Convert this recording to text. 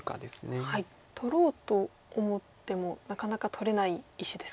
取ろうと思ってもなかなか取れない石ですか？